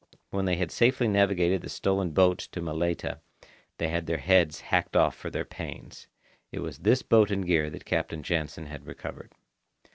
When they had safely navigated the stolen boat to Malaita, they had their heads hacked off for their pains. It was this boat and gear that Captain Jansen had recovered.